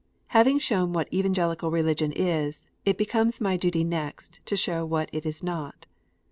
Having shown what Evangelical Religion is, it becomes my duty next to show what it is not.